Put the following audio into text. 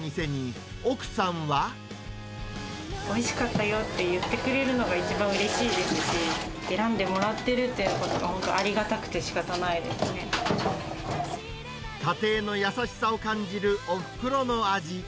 おいしかったよって言ってくれるのが一番うれしいですし、選んでもらってるっていうことが本当、家庭の優しさを感じるおふくろの味。